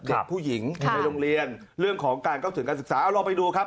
เด็กผู้หญิงในโรงเรียนเรื่องของการเก้าสื่นสึกศึกษา